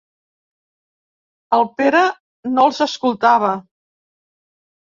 El Pere no els escoltava.